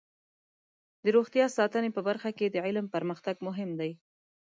د روغتیا ساتنې په برخه کې د علم پرمختګ مهم دی.